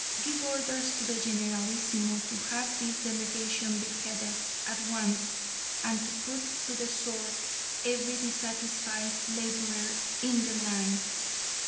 Give orders to the generalissimo to have this delegation beheaded at once and to put to the sword every dissatisfied laborer in the land."